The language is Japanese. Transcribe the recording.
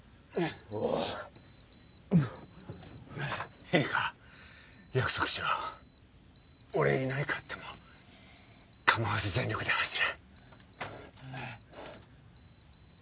おういいか約束しろ俺に何かあっても構わず全力で走れ